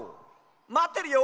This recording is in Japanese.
まってるよ！